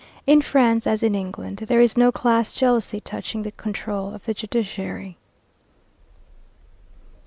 In France, as in England, there is no class jealousy touching the control of the judiciary.